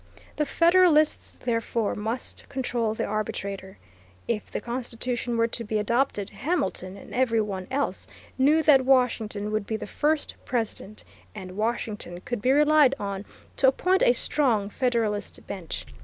The Federalists, therefore, must control the arbitrator. If the Constitution were to be adopted, Hamilton and every one else knew that Washington would be the first President, and Washington could be relied on to appoint a strong Federalist bench.